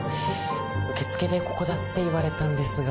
受付でここだって言われたんですが。